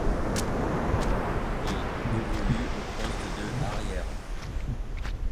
Il évolue au poste de arrière.